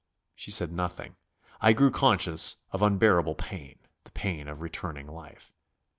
She said nothing. I grew conscious of unbearable pain, the pain of returning life.